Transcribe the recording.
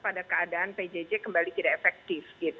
pada keadaan pjj kembali tidak efektif